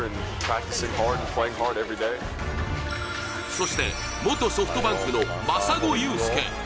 そして元ソフトバンクの真砂勇介。